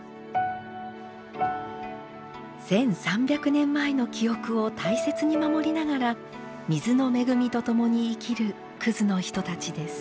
１，３００年前の記憶を大切に守りながら水の恵みとともに生きる国栖の人たちです。